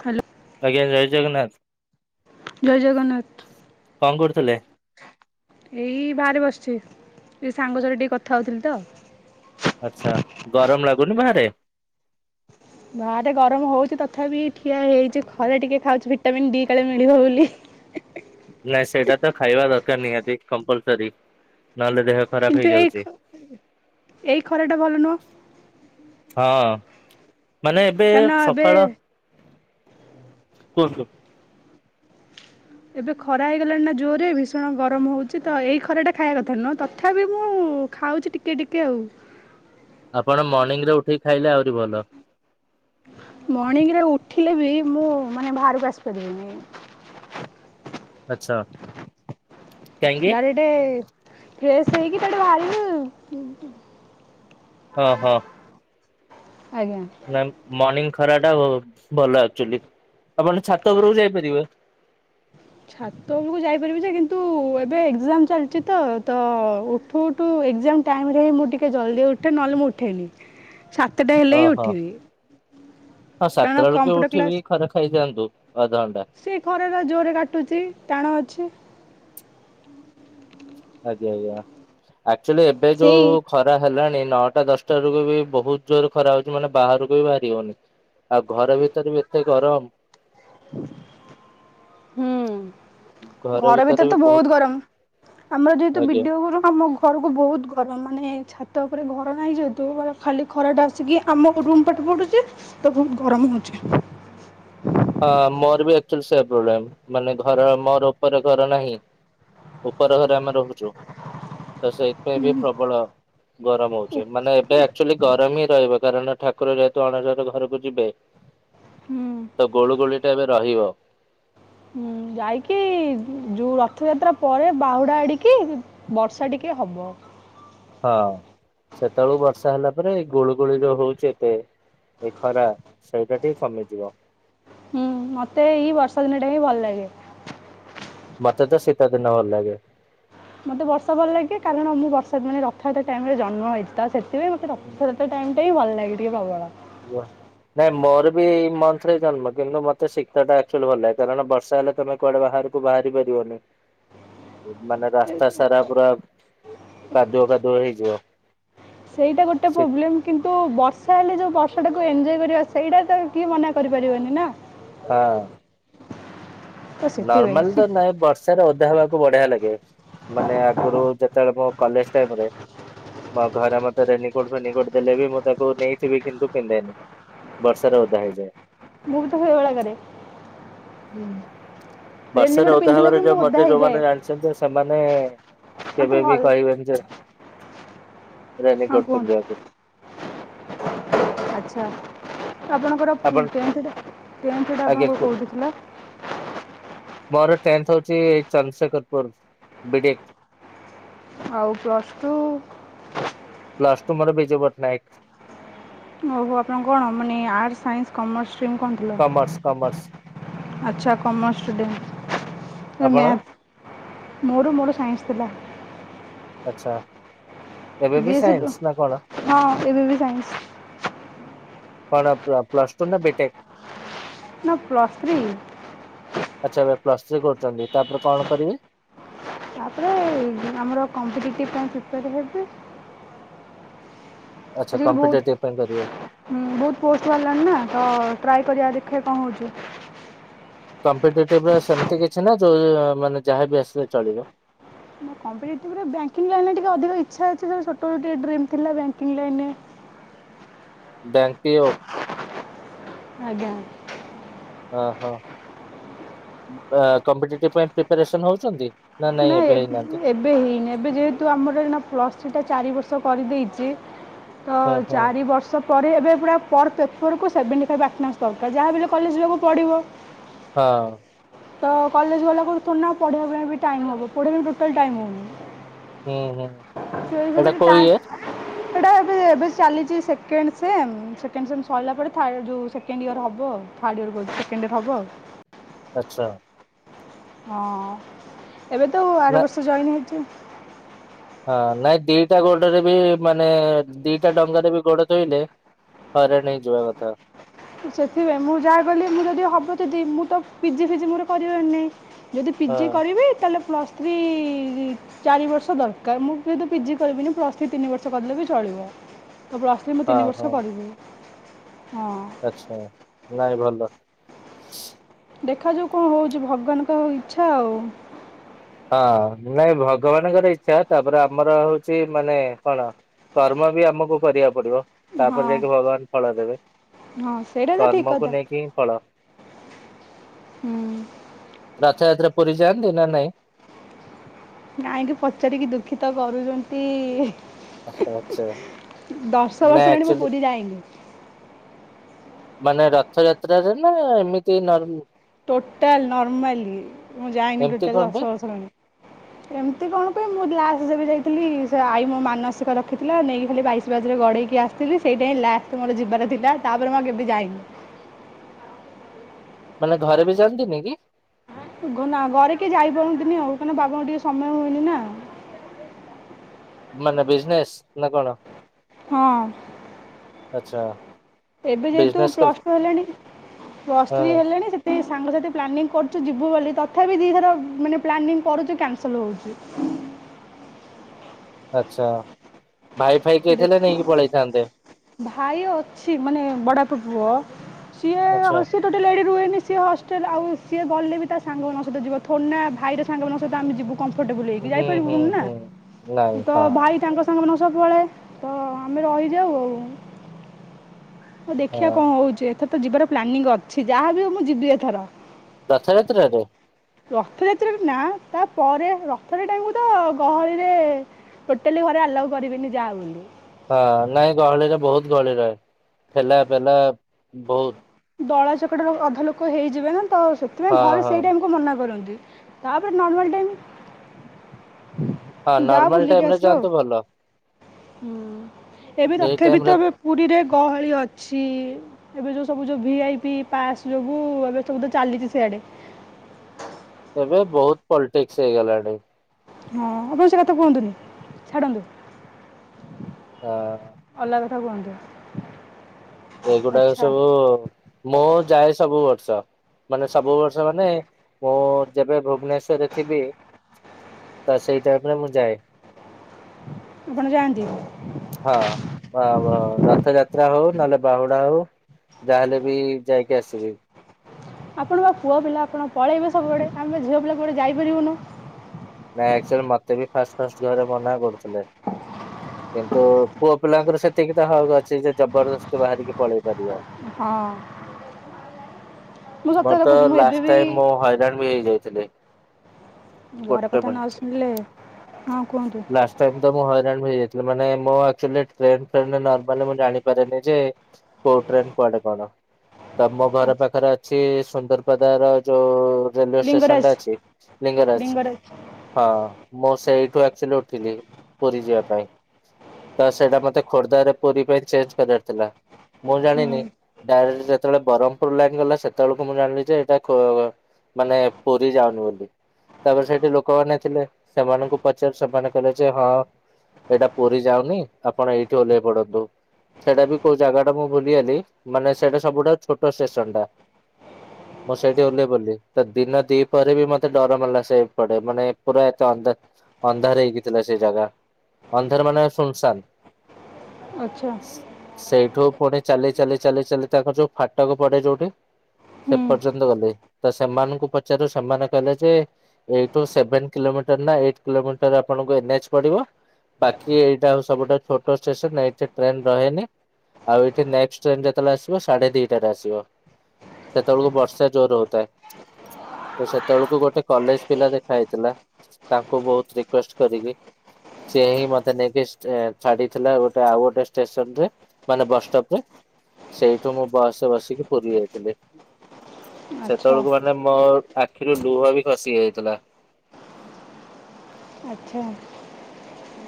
Hello. ଆଜ୍ଞା ଜୟ ଜଗନ୍ନାଥ। ଜୟ ଜଗନ୍ନାଥ। କଣ କରୁଥିଲେ? ଏଇ ବାହାରେ ବସିଛି ଏ ସାଙ୍ଗ ସାଥି ଟିକେ କଥା ହଉଥିଲି ତ। ଆଚ୍ଛା ଗରମ ଲାଗୁନି ବାହାରେ? ବାହାରେ ଗରମ ହଉଛି ତଥାପି ଠିଆ ହେଇଛି ଖରା ଟିକେ ଖାଉଛି। ମିନ ଡି କାଳେ ମିଳିବ ବୋଲି। ନାଇଁ ସେଇଟା ତ ଖାଇବା ଦରକାର ନିହାତି କମ୍ପଲସରୀ ନହେଲେ ଦେହ ଖରାପ କିନ୍ତୁ ଏଇ ହେଇଯାଉଛି। ଏଇ ଖରା ଟା ଭଲ ନୁହଁ। ହଁ ମାନେ ଏବେ କାରଣ ଏବେ ସକାଳ କୁହନ୍ତୁ? ଏବେ ଖରା ହେଇଗଲାଣି ନା ଜୋରରେ ଭୀଷଣ ଗରମ ହଉଛି ତ ଏଇ ଖରା ଟା ଖାଇବା କଥା ନୁହଁ ତଥାପି ମୁଁ ଖାଉଛି ଟିକେ ଟିକେ ଆଉ। ଆପଣ ମର୍ଣ୍ଣିିଂରେ ଉଠିକି ଖାଇଲେ ଆହୁରି ଭଲ। ମର୍ଣ୍ଣିଂରେ ଉଠିଲେ ବି ମୁଁ ମାନେ ବାହାରକୁ ଆସିପାରିବିନି। ଆଚ୍ଛା। କାହିଁକି? ଡାଇରେକ୍ଟ ଫ୍ରେଶ ହେଇ କି ଏଇଠୁ ବାହାରିଲୁ ହଁ ହଁ ଆଜ୍ଞା ମର୍ନିଙ୍ଗ ଖରାଟା ଭଲ ଆକଚୁଲି ଆପଣ ଛାତ ଉପରକୁ ଯାଇପାରିବେ। ଛାତ ଉପରକୁ ଯାଇପାରିବି ଯେ କିନ୍ତୁ ଏବେ ଏକ୍ଜାମ ଚାଲିଛି ତ ତ ଉଠୁ ଉଠୁ ଏକ୍ଜାମ ଟାଇମ ରେ ହିଁ ମୁଁ ଟିକେ ଜଲ୍ଦି ଉଠେ ନହେଲେ ମୁଁ ଉଠେନି ସାତଟା ହେଲେ ହିଁ ଓହୋ ଉଠିବି ହଁ ସାତଟା କାରଣ ବେଳକୁ କମ୍ପ୍ୟୁଟର ଉଠିବି କ୍ଲାସ ଖରା ଖାଇଯାଆନ୍ତୁ। ଅଧଘଣ୍ଟା ସେ ଖରା ଟା ଜୋରେ କାଟୁଛି ଟାଣ ଅଛି। ଆଜ୍ଞା ଆଜ୍ଞା ଆକ୍ଚୁଆଲି ଏବେ ସେଇ ଯୋଉ ଖରା ହେଲାଣି ନଅଟା ଦଶଟା ରୁ ବି ବହୁତ ଜୋର ଖରା ହଉଛି ମାନେ ବାହାରକୁ ବି ବାହାରି ହଉନି। ଆଉ ଘର ଭିତରେ ବି ଏତେ ଗରମ [inaudible] ହୁଁ ଘର ଭିତରେ ତ ବହୁତ ଗରମ। ଆମର ଯେହେତୁ ଆଜ୍ଞା ବିଡିଓରୁ ଆମ ଘରକୁ ବହୁତ ଗରମ ମାନେ ଛା ଛାତ ଉପରକୁ ଘର ନାହିଁ ଯେହେତୁ ମ ଖାଲି ଖରାଟା ଆସିକି ଆମ ରୁମ ପଟୁ ପଢୁଛି। ତ ବହୁତ ଗରମ ହଉଛି! [unintelligible] ହଁ ମୋର ଆକଚୁଆଲି ସେମ ପ୍ରୋବେଲମ ଘର ମୋର ଉପରେ ଘର ନାହିଁ। ଉପର ଘରେ ଆମେ ରହୁଛୁ। ତ ସେଇଥିପାଇଁ ବି ପ୍ରବଳ ଗରମ ହୁଁ। ହଉଛି ମାନେ ଏବେ ଆକ୍ଚୁଆଲି ଗରମ ହିଁ ରହିବ କାରଣ ଠାକୁର ଯେହେତୁ ଅଣସର ଘରକୁ ଯିବେ। ହୁଁ। ତ ଗୋଳୁ ଗୋଳି ଟା ଏବେ ରହିବ। ହୁଁ ଯାଇକି ଯୋଉ ରଥଯାତ୍ରା ପରେ ବାହୁଡା ଆଡିକି ବର୍ଷା ଟିକେ ଟିକେ ହବ। ହଁ ସେତେବେଳକୁ ବର୍ଷା ହେଲା ପରେ ଗୁଳୁ ଗୋଳିରେ ହଉଛି ଏବେ ଏ ଖରା ସେଇଟା ଟିକେ କମିଯିବ। ହୁଁ ମତେ ଏଇ ବର୍ଷା ଦିନ ଟା ହିଁ ଭଲ ଲାଗେ। ମତେ ତ ଶୀତଦିନ ଭଲ ଲାଗେ। ମତେ ବର୍ଷା ଭଲ ଲାଗେ କାରଣ ମୁଁ ବର୍ଷା ମାନେ ରଥଯାତ୍ରା ଟାଇମରେ ଜନ୍ମ ହେଇଥିଲା ତ ସେଇଥି ପାଇଁ ମତେ ରଥଯାତ୍ରା ଟାଇମଟା ହି ଭଲ ଲାଗେ ଟିକେଏ ପ୍ରବଳ। ହୁଆ। ନାଇଁ ମୋର ବି ଏଇ ମନ୍ଥ ରେ ଜନ୍ମ କିନ୍ତୁ ମତେ ଶୀତଟା ଆକ୍ଚୁଆଲି ଭଲ ଲାଗେ କାରଣ ବର୍ଷା ହେଲେ ତମେ କୁଆଡେ ବା ବାହାରକୁ ବାହାରି ପାରିବନି। ମାନେ ରାସ୍ତା ସାରା ପୁରା କାଦୁଅ କାଦୁଅ ହେଇଯିବ। ସେଇଟା ଗୋଟେ ସେ ପ୍ରୋବ୍ଲେମ କିନ୍ତୁ ବର୍ଷ ହେଲେ ଯେଉଁ ବର୍ଷଟାକୁ ଏଞ୍ଜୟ କରିବା ସେଇଟା ତ କିଏ ମନା କରିପାରିବନି ନା? ହଁ? ତ ସେଥିପାଇଁ ନର୍ମାଲ ତ ଶୀ- ନାଇଁ ବର୍ଷାରେ ଓଧା ହେବାକୁ ବଢିଆ ଲାଗେ। ମାନେ ଆଗରୁ ଯେତେବେଳେ ମୋ କଲେଜ ଟାଇମରେ ମୋ ଘରେ ମୋତେ ରେନିକୋର୍ଟ ଫେଣିକୋର୍ଟ ଦେଲେବି ମୁଁ ତାକୁ ନେଇଯିବି କିନ୍ତୁ ପିନ୍ଧେନି। ବର୍ଷାରେ ଓଦା ହେଇଯାଏ। ମୁଁ ବି ତା ସେଇ ଭଳିଆ କରେ। ହୁଁ ବର୍ଷାରେ ରେନିକୋଟ୍ ଓଦା ପିନ୍ଧିଲେ ବି ହବାରେ ମୁଁ ଯୋଉ ମ ଓଦା ହେଇଯାଏ ଯୋଉମାନେ ଜାଣିଛନ୍ତି ସେମାନେ ମୋତେ କେବେ ବି ଭଲ କହିବେନି ଯେ ହଁ ରେନିକୋଟ କୁହନ୍ତୁ ପିନ୍ଧିବାକୁ। ଆଚ୍ଛା ଆପଣଙ୍କର ଆପଣ ପ୍ୟାଣ୍ ସେଟ ପ୍ୟାଣ୍ଟ ସେଟ ଆଜ୍ଞା ଆପଣଙ୍କର କୁ କେଉଁଠି ଥିଲା? ମୋର ଟେନ୍ଥ ହଉଛି ଚନ୍ଦ୍ରଶେଖରପୁର ବିଡି ଆଉ ପ୍ଲସ୍ ଟୁ? ପ୍ଲସ ଟୁ ମୋର ବିଜୁ ପଟ୍ଟନାୟକ। ଆଉ ଆପଣଙ୍କ କଣ? ମାନେ arts science commerce commerce commerce. ଆଛା କମର୍ସ ଷ୍ଟୁଡେଣ୍ଟ ଆପଣ ମେଟ୍ ମୋ ମୋର ସାଇନ୍ସ ଥିଲା। ଆଚ୍ଛା। ଏବେ ବି ଏଇ ସାଇନ୍ସ ନା କଣ ହଁ ଏ ବବ ସାଇନ୍ସ କଣ ପ୍ଲସ ଟୁ ନା ବିଟେକ? ନ ପ୍ଲସ ଥ୍ରୀ। ପ୍ଲଥ୍ରୀ କରୁଛନ୍ତି। ତାପରେ କଣ କରିବି? ତାପରେ ଆମର କମପିଟେଟିଭ୍ ପାଇଁ ପ୍ରୀପେର୍ ହେବି। ଆଚ୍ଛା ଏ ବହୁ କମ୍ପିଟେଟିଭ ପାଇଁ କରିବେ ବହୁତ ପୋଷ୍ଟ ବାହାରିଲାନି ନା ତ ଟ୍ରାଏ କରିବା ଦେଖିବା କଣ ହଉଚି। କମ୍ପୀଟେଟିଭ୍ ସେମତି କିଛି ନା ଯୋଉ ମାନେ ଯାହାବି ଆସିଲେ ଚଳିବ। କମ୍ପିଟେଟିଭ ରେ ବ୍ୟାଙ୍କିଙ୍ଗ ଲାଇନ୍ ରେ ଅଧିକା ଇଛା ଅଛି ଛୋଠ ବେଳେ ଗୋଟେ ଡ୍ରିମ୍ ଥିଲା ବ୍ୟାଙ୍କିଙ୍ଗ ଲାଇନ୍ ରେ ବ୍ୟାଙ୍କ ପିଓ। ଆଜ୍ଞା। ଓହୋ କମ୍ପିଟେତିଭ ପାଇଁ ପ୍ରିପାରେସନ ହଉଛନ୍ତି। ନା ନାଇଁ ନାଁ ଏବେ ହେଇନାହାନ୍ତି ଏବେ ହେଇନି ଏବେ ଯେହେତୁ ଆମର ପ୍ଲସ୍ ଥ୍ରୀ ଟା ଚାରି ବର୍ଷ କରିଦେଇଛି। ତ ହଁ ହଁ ଚାରି ବର୍ଷ ପରେ ଏବେ ପୁରା ପର୍ ପେପରକୁ ସେଭେଣ୍ଟି ଫାଇଭ୍ ଆଟନାନ୍ସ ଦରକାର ଯାହାବଲେ କଲେଜ ଯିବାକୁ ପଡ଼ିବ। ହଁ। ତ କଲେଜ ଗଲାକୁଥ ନା ପଢ଼ିବା ପାଇଁ ବି ଟାଇମ୍ ହେବ ପଢ଼ିବା ପାଇଁ ଟୋଟାଲ୍ ଟାଇମ୍ ହେବନି। ହୁଁ ହୁଁ [unintelligible] ସେ ଏଇଟା କୋଉ ଇୟର ଟା ଏବେ ଚାଲିଛି ସେକେଣ୍ଡ ସେମ୍ ସେକେଣ୍ଡ ସେମ୍ ସରିଲା ପରେ ଯୋଉ ସେକେଣ୍ଡ ଇୟର ହବ ଥାର୍ଡ ଇୟର ସେକେଣ୍ଡ ହବ ଆଉ। ଆଛା। ହଁ ଏବେ ତ ଆର ନା ବର୍ଷ ଜଏନ୍ ହେଇଛି। ହଁ ନାଇଁ ଦିଟା ଗୋଡରେ ବି ମାନେ ଦିଟା ଡଙ୍ଗାରେ ବି ଗୋଡ ଧୋଇଁଲେ ହଇରାଣ ହେଇଜିବା କଥା। ସେଥିପାଇଁ ମୁଁ ଯାହା ଗଲି ମୁଁ ଯଦି ହବ ଯଦି ମୁଁ ତ ପିଜି ଫିଜି ମୋର କରିବାର ନାହିଁ। ଯଦି ହଁ ପିଜି କରିବି ତାହେଲେ ପ୍ଲସ୍ ଥ୍ରୀ ଚାରି ବର୍ଷ ଦରକାର ମୁଁ କିତୁ ପିଜି କରିବିନି ପ୍ରସ୍ ତିନି ବର୍ଷ କଦଲେ ବି ଚଳିବ। ପ୍ଲସ ଥ୍ରି ମୁଁ ହଁ ତିନି ବର୍ଷ କରିବି ହଁ। ଆଛା ନାଇଁ ଭଲ। ଦେଖାଯାଉ କଣ ହଉଛି ଭଗବାନଙ୍କ ଇଚ୍ଛା ଆଉ। ହଁ ନାଇଁ ଭଗବାନଙ୍କର ଇଛା ତାପରେ ଆମର ହଉଛି ମାନେ କଣ କର୍ମ ବି ଆମକୁ କରିବାକୁ ପଡିବ ହଁ ତାପରେ ଯାଇକି ଭଗବାନ ଫଳ ଦେବେ। ହଁ ସେଇଟା ତ ଠିକ୍ କର୍ମକୁ କଥା ନେଇକିଁ ଫଳ। ହୁଁ। ରଥଯାତ୍ରା ପୁରୀ ଯାନ୍ତି ନା ନାହିଁ? କାହିଁକି ପଚାରିକି ଦୁଃଖିତ କରୁଛନ୍ତି। ଆଚ୍ଛା ଦଶ ନାଇଁ ବର୍ଷ ଲଣି ମୁଁ ଆକ୍ଚୁଆଲି ପୁରୀ ଯାଇନି। ମାନେ ରଥଯାତ୍ରାରେ ନା ଏମିତି ନର ଟୋଟାଲ ନର୍ମଲ ମୁଁ ଯାାଇନ ଏମିତି ଟୋଟାଲ କଣ ଦଶ ପାଇଁ ବର୍ଷ ଲଣି। ଏମିତି କଣ କୁହ ମୁଲା ଆ ଯାଇଥିଲି ସେ ଆଈ ମୋ ମାନସିକ ରଖିଥିଲା ନେଇକି ଖାଲି ବାଇଶ ବାଜରେ ଗଢେଇକି ଆସିଥିଲି ସେଇଟା ଲାଷ୍ଟ ମୋର ଯିବାର ଥିଲା ତାପରେ ମୁଁ କେବେ ଯାଇନି। ମାନେ ଘରେ ବି ଯାଆନ୍ତିନି କି? ନା ଘରେ କି ଯାଇ ପାରୁନ୍ତିନି ଆଉ କାହିଁକନା ବାବାଙ୍କ ଟିକେ ସମୟ ହୁଏନି ନା। ମାନେ ବିଜନେସ ନା କଣ? ହଁ। ଆଛା। ଏବେ ଯେହେତୁ ପ୍ଲସ୍ ଟୁ ହେଲାଣି ପ୍ଲସ ହଁ ଥ୍ରୀ ହେଲାଣି ସେଥି ସାଙ୍ଗସଥି ପ୍ଲାନିଙ୍ଗ କରୁଛୁ ଯିବୁ ବୋଲି ତଥାପି ଦିଇଥର ମାନେ ପ୍ଲାନିଂ କରୁଛୁ କ୍ୟାନସଲ ହଉଛି। ଆଛା। ଦେଖ ଭାଇ ଅଛି ମାନେ ବଡ ପୁଅ ସିଏ ହ ଆଚ୍ଛା ସିଏ ଟୋଟାଲି ଏଠି ରୁହେନି ସିଏ ହଷ୍ଟେଲ ଆଉ ସିଏ ଗଲେ ବି ତା ସାଙ୍ଗମାନଙ୍କ ସହିତ ଯିବ ଥୋଡ଼ିନା ଭାଇର ସାଙ୍ଗମାନଙ୍କ ସହିତ ଆମେ ଯିବୁ। କଂଫର୍ତବ୍ଲେ ହେଇକି ହୁଁ ହୁଁ ଯାଇପାରିବୁନି ନା? ହୁଁ। ନାଇଁ ତ ହଁ ଭାଇ ତାଙ୍କ ସାଙ୍ଗମାନଙ୍କ ପଳାଏ ତ ଆମେ ରହିଯାଉ ଆଉ। ହଁ ଦେଖିବା କଣ ହଉଛି ଏଥର ତ ଯିବାର ପ୍ଲାନିଂ ଅଛି। ଯାହା ବିି ହଉ ମୁଁ ଯିବି ଏଥର। ରଥଯାତ୍ରାରେ? ରଥଯାତ୍ରା ନା ତାପରେ ରଥଯାତ୍ରା ଟାଇମ୍ କୁ ତ ଗହଳିରେ ଟୋଟାଲି ଘରେ ଆଲାଉ କରିବେନି ଯା ବୋଲି। ହଁ ନାଇଁ ଗହଳିରେ ବହୁତ ଗହଳି ରହେ ଠେଲା ଫେଲା ବହୁତ। ଦଳା ଚକଟାରେ ଅଧା ଲୋକ ହେଇଯିବେ ନା ତ ସେଥିପାଇଁ ହଁ ଘରେ ହଁ ସେଇଟାଇମକୁ ମନା କରନ୍ତି। ତାପରେ ନର୍ମାଲ ଟାଇମ ହଁ ଯା ନର୍ମାଲ ବୁଲିକି ଟାଇମ ରେ ଆସିବ ଆଉ। ଯାଆନ୍ତୁ ଭଲ। ହୁଁ ଏବେ ଏଇ ତଥାପି ଟାଇମ ତ ରେ ପୁରୀରେ ଗହଳି ଅଛି। ଏବେ ଯୋଉ ସବୁ ଯୋଉ ଭି ଆଇ ପି ପାସ୍ ଯୋଗୁ ଏବେ ସବୁ ଚାଲିଛି ସେଆଡେ। ଏବେ ବହୁତ ପଲିଟିକ୍ସ ହେଇଗଲାଣି। ହଁ ଆପଣ ସେ କଥା କୁହନ୍ତୁନି ଛାଡନ୍ତୁ। ହଁ। କୁହନ୍ତୁ ଏଗୁଡାକ ଆଚ୍ଛା ସବୁ ମୁଁ ଯାଏ ସବୁବେଳେ ମାନେ ସବୁ ବର୍ଷ ମାନେ ମୁଁ ଯେବେ ଭୁବନେଶ୍ଵରରେ ଥିବି ତ ସେଇ ଟାଇମ ରେ ମୁଁ ଯାଏ। ଆପଣ ଜାନ୍ତି? ହଁ ରଥଯାତ୍ରା ହଉ ନହେଲେ ବାହୁଡା ହଉ ଯାହାହେଲେ ବି ଯାଇକି ଆସିବି ଆପଣ ବା ପୁଅ ପିଲା ଆପଣ ପଳେଇବେ ସବୁବେଳେ ଆମେ ଝିଅ ପିଲା କୁଆଡ଼େ ଯାଇପାରିବୁନୁ। ନାଇଁ ଆକଚୁଆଲି ମତେ ବି ଫାଷ୍ଟ ଫାଷ୍ଟ ଘରେ ମନା କରୁଥିଲେ। କିନ୍ତୁ ପୁଅ ପିଲାଙ୍କର ସେତିକି ତ ହକ ଅଛି ଯେ ଜବରଦସ୍ତି ବାହାରିକି ପଳେଇ ପାରିବ। ହଁ। ମୁଁ ମୋର ସତରେ ତ କହୁଛି ମୁଁ ଏବେ ଲାଷ୍ଟ ବି ଟାଇମ ମୁଁ ହଇରାନବି ହେଇଯାଇଥିଲି। ଘର ଗୋଟେ କଥା ନ ମିନିଟ୍। ଶୁଣିଲେ ହଁ କୁହନ୍ତୁ। ଲାଷ୍ଟ ଟାଇମ ତ ମୁଁ ହଇରାଣ ବି ହେଇଯାଇଥିଲି। ମାନେ ମୁଁ ଆକଚୁଆଲି ଟ୍ରେନ ଫ୍ରେନ୍ ରେ ନର୍ମାଲରେ ମୁଁ ଜାଣିପାରିନି ଯେ କୋଉ ଟ୍ରେନ କୁଆଡେ କଣ? ତ ମୋ ଘର ଆଚ୍ଛା ପାଖରେ ଅଛି ସୁନ୍ଦରପଦା ର ଯୋଉ ରେଲୱେ ଷ୍ଟେସନ ଟା ଲିଙ୍ଗରାଜ ଅଛି ଲିଙ୍ଗରାଜ ହଁ ମୁଁ ସେଇଠୁ ଚଲ ଉଠିଲି ପୁର ଯିବା ପାଇଁ ତ ସେଇଟା ମତେ ଖୋର୍ଦ୍ଧାରେ ପୁରୀ ପାଇଁ ଚେଞ୍ଜ କରିବାର ଥିଲା। ମୁଁ ଜାଣିନି ହୁଁ ଡାଇରେକ୍ଟ ଯେତେବେଳେ ବ୍ରହ୍ମପୁର ଲାଗି ଗଲା ସେତେବେଳକୁ ମୁଁ ଜାଣିଲି ଯେ ଏଇଟା ମାନେ ପୁରୀ ଯାଉନି ବୋଲି ତାପରେ ସେଠି ଲୋକମାନେ ଥିଲେ ସେମାନଙ୍କୁ ପଚାରି ସେମାନେ କହିଲେ ଯେ ହଁ ଏଇଟା ପୁରୀ ଯାଉନି ଆପଣ ଏଇଠି ଓହ୍ଲେଇ ପଡନ୍ତୁ। ସେଇଟା ବି କୋଉ ଜାଗା ଟା ମୁଁ ଭୁଲିଗଲି ମାନେ ସେଇଟା ସବୁଠାରୁ ଛୋଟ ଷ୍ଟେସନ ଟା। ମୁଁ ସେଇଠି ଓହ୍ଲେଇ ପଡ଼ିଲି ତ ଦିନ ଦି ପହରେ ବି ମତେ ଡର ମାଡିଲା ସେପଡେ ମାନେ ପୁରା ଏତେ ଅନ୍ଦାର ଅନ୍ଧାର ହେଇକିଥିଲା ସେ ଜାଗା ଅନ୍ଧାର ମାନେ ସୁନସାନ ଆଚ୍ଛା ସେଠୁ ପୁଣି ଚାଲି ଚାଲି ଚାଲି ତାଙ୍କର ଯୋଉ ଫାଟକ ପଡେ ଯୋଉଠି ସେ ହୁଁ ପର୍ଯ୍ୟନ୍ତ ଗଲେ ତ ସେମାନଙ୍କୁ ପଚାରୁ ସେମାନେ କହିଲେ ଯେ ଏଇ ଟୁ ସେଭେନ କିଲୋ ମି ଗୋଟେ ହେଲା ଏଇଟ କିଲୋମିଟର ଆପଣଙ୍କୁ ଏନ ଏଚ୍ ପଡିବ। ବାକି ଏଇଟା ଆଉ ସବୁଠାରୁ ଛୋଟ ଷ୍ଟେସନ ଏଇଠି ଟ୍ରେନ ରହେନି। ଆଉ ଏଠି ନେକ୍ସଟ୍ ଟ୍ରେନ ଯେତେବେଳେ ଆସିବ ସାଢେ ଦିଟାରେ ଆସିବ। ସେତବେଳକୁ ବର୍ଷା ଜୋରେ ହଉଥାଏ। ତ ସେତବେଳକୁ ଗୋଟେ କଲେଜ ପିଲା ଦେଖା ହେଇଥିଲା ତା କୁ ବୋହୁତ ରିକୁଏଷ୍ଟ କରିକି ସିଏ ହି ମତେ ନେଇକି ଟ୍ରେ ଛାଡିଥିଲା ଗୋଟେ ଆଉ ଗୋଟେ ଷ୍ଟେସନରେ ମାନେ ବସ ଟପ୍ ରେ। ସେଇଠୁ ମୁଁ ବସରେ ବସିକି ପୁରୀ ଯାଇଥିଲି। ଆଚ୍ଛା ସେତବେଳକୁ ମାନେ ମୋ ଆଖିରୁ ଲୁହ ବି ଖସି ଯାଇଥିଲା। ଆଚ୍ଛା। ହୁଁ।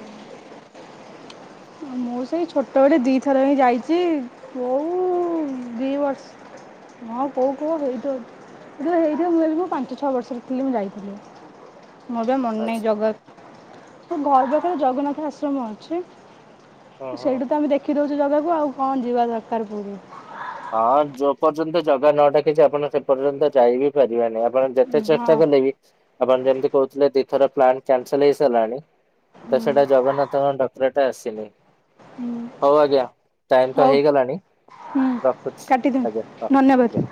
ମୁଁ ସେଇ ଛୋଟବେଳେ ଦୁଇଥର ହିଁ ଯାଇଛି। କୋଉ ଦି ବର୍ଷ ହଁ କୋଉ କୋଉ ସେଇଠି ଅଛି। [unintelligible] ମୁଁ ଖାଲି ପାଞ୍ଚ ଛଅ ବର୍ଷର ଥିଲି ମୁଁ ଯାଇଥିଲି। ମୋର ବି ମନେ ନାହିଁ ଆଚ୍ଛା ଜଗ ତୋ ଘର ପାଖରେ ଜଗନ୍ନାଥ ଆଶ୍ରମ ଅଛି। ହଁ ହଁ। ସେଇଠୁ ତ ଆମେ ଦେଖି ଦୋଉଚୁ ଜାଗାକୁ ଆଉ କଣ ଯିବା ଦରକାର ପୁରୀ। ହଁ ଯୋଉ ପର୍ଯ୍ୟନ୍ତ ଜାଗା ନ ଡାକିଛି ଆପଣ ସେ ପର୍ଯ୍ୟନ୍ତ ଯାଇ ବିି ପାରିବେନି, ଆପଣ ଯେତେ ଯେତେ ହଁ ଚେଷ୍ଟା କଲେ ବି ଆପଣ ଯେମିତି କହୁଥିଲେ ଦଇଥର ପ୍ଲାନ୍ କ୍ୟାନସେଲ୍ ହେଇସାରିଲାଣି। ତ ସେଟା ଜଗନ୍ନାଥଙ୍କ ଡକରାଟା ଆସିିନି। ହୁଁ ହୋଉ ଆଜ୍ଞା ଟାଇମ୍ ତ ହଉ ହେଇଗଲାଣି। ହୁଁ ରଖୁଚି ଆଜ୍ଞା ହଁ କାଟିଦିଅନ୍ତୁ ଆଜ୍ଞା। ଧନ୍ୟବାଦ